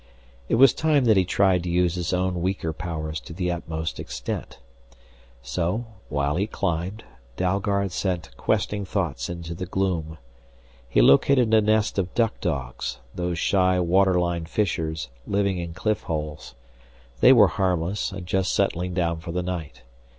It was time that he tried to use his own weaker powers to the utmost extent. So, while he climbed, Dalgard sent questing thoughts into the gloom. He located a nest of duck dogs, those shy waterline fishers living in cliff holes. They were harmless and just settling down for the night.